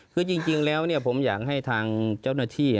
คือจริงแล้วผมอยากให้ทางเจ้าหน้าที่